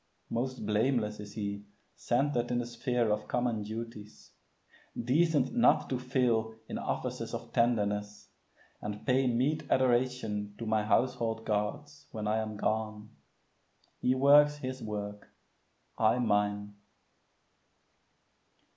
Most blameless is he, centred in the sphere Of common duties, decent not to fail In offices of tenderness, and pay Meet adoration to my household gods, When I am gone. He works his work, I mine.